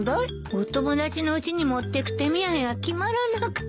お友達のうちに持ってく手土産が決まらなくて。